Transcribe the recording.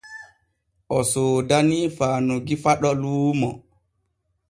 O soodanii Faanugui Faɗo luumo.